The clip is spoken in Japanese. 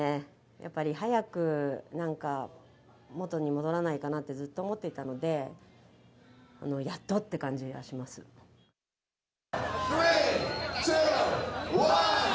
やっぱり早くなんか、元に戻らないかなとずっと思っていたので、やっとっていう感じがします。